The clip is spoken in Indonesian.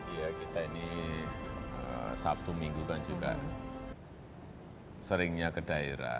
ya kita ini sabtu minggu kan juga seringnya ke daerah